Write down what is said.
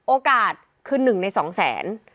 โอกาสคือ๑ใน๒แสน